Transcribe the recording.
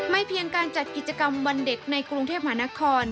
เพียงการจัดกิจกรรมวันเด็กในกรุงเทพมหานคร